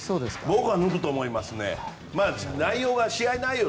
僕は抜くと思いますよ。